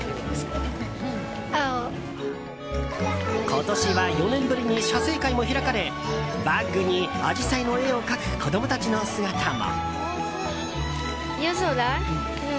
今年は４年ぶりに写生会も開かれバッグにアジサイの絵を描く子供たちの姿も。